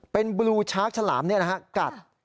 เป็นบลูชาร์กชาลามนี่นะครับกัด